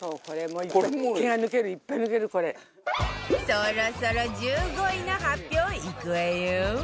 そろそろ１５位の発表いくわよ